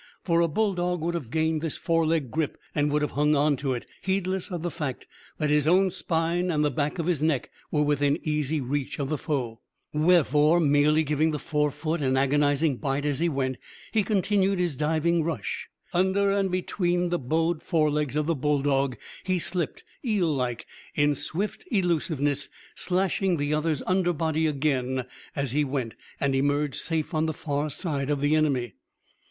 For a bulldog would have gained this foreleg grip and would have hung onto it, heedless of the fact that his own spine and the back of his neck were within easy reach of the foe. Wherefore, merely giving the forefoot an agonising bite as he went, he continued his diving rush. Under and between the bowed forelegs of the bulldog he slipped, eel like, in swift elusiveness, slashing the other's underbody again as he went, and emerged safe on the far side of the enemy.